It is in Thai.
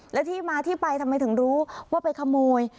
และที่มาที่ไปทำไมถึงรู้ว่าไปขโมย